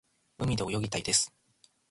海で泳ぎたいです。